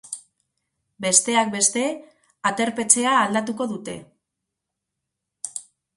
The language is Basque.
Besteak beste, aterpetxea aldatuko dute.